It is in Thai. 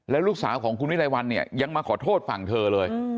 ลูกสาวของคุณวิรัยวัลเนี่ยยังมาขอโทษฝั่งเธอเลย